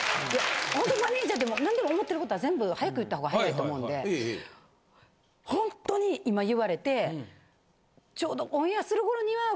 ほんとにマネージャーでも何でも思ってることは全部早く言った方が早いと思うのでほんとに今言われてちょうど。